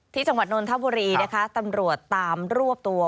จังหวัดนนทบุรีนะคะตำรวจตามรวบตัว